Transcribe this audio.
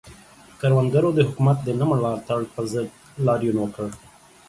کروندګرو د حکومت د نه ملاتړ پر ضد لاریون وکړ.